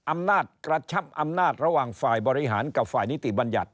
อำนาจกระชับอำนาจระหว่างฝ่ายบริหารกับฝ่ายนิติบัญญัติ